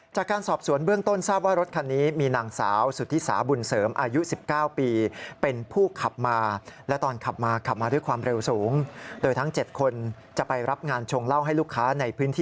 จากการสอบสวนเบื้องต้นทราบว่ารถคันนี้